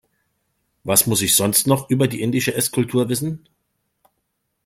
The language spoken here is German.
Was muss ich sonst noch über die indische Esskultur wissen?